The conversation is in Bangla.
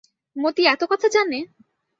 মতি এত কথা জানে!